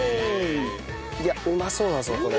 いやうまそうだぞこれ。